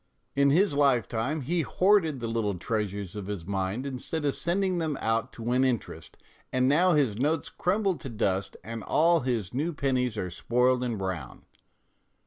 In his lifetime he hoarded the little treasures of his mind instead of sending them out to win interest, and now his notes crumble to dust and all his new pennies are spoiled and brown.